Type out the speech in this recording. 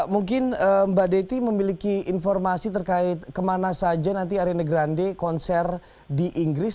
mungkin mbak dety memiliki informasi terkait kemana saja nanti arena grande konser di inggris